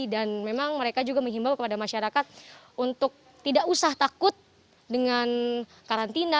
dan memang mereka juga menghimbau kepada masyarakat untuk tidak usah takut dengan karantina